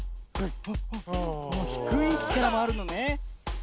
ひくいいちからもあるのね。